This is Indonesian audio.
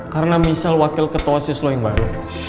karena misal wakil ketua siswa lo yang baru